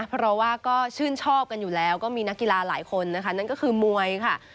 เพราะว่าก็ชื่นชอบกันอยู่แล้วก็มีนักกีฬาหลายคนนะคะนั่นก็คือมวยค่ะ